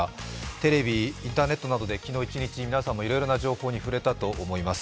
テレビ、インターネットなどで昨日一日、皆さんもいろいろな情報に触れたと思います。